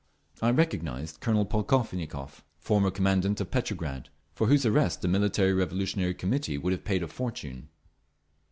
I recognised Colonel Polkovnikov, former commandant of Petrograd, for whose arrest the Military Revolutionary Committee would have paid a fortune.